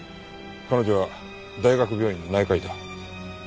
彼女は大学病院の内科医だ。